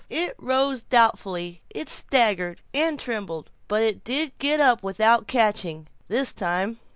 It rose doubtfully, it staggered and trembled, but it did get up without catching this time.